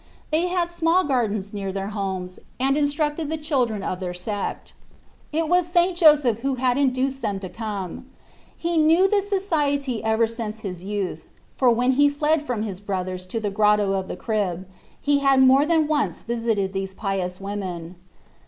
They had small gardens near their houses, and instructed the 102 tlbe Iflatfvfts ot children of their sect. It was St. Joseph who had induced them to come. He knew this society ever since his youth ; for when he fled from his brothers to the Grotto of the Crib he had more than once visited these pious women.